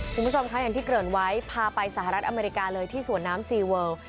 คุณผู้ชมคะอย่างที่เกริ่นไว้พาไปสหรัฐอเมริกาเลยที่สวนน้ำซีเวิล